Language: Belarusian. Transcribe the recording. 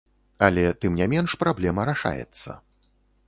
Але тым не менш праблема рашаецца.